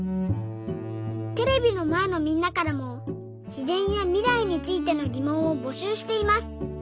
テレビのまえのみんなからもしぜんやみらいについてのぎもんをぼしゅうしています。